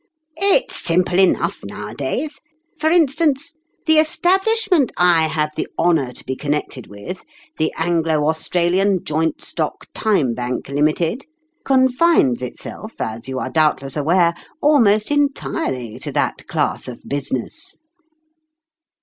" It's simple enough nowadays. For in stance, the establishment I have the honor to be connected with the Anglo Australian Joint Stock Time Bank, Limited confines itself, as you are doubtless aware, almost entirely to that class of business."